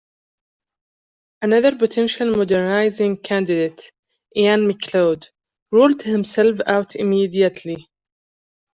Another potential "modernizing" candidate, Iain Macleod, ruled himself out immediately.